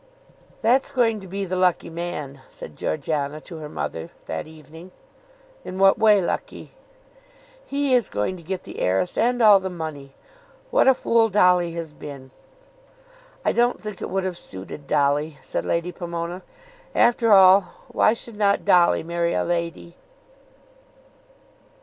"That's going to be the lucky man," said Georgiana to her mother, that evening. "In what way lucky?" "He is going to get the heiress and all the money. What a fool Dolly has been!" "I don't think it would have suited Dolly," said Lady Pomona. "After all, why should not Dolly marry a lady?"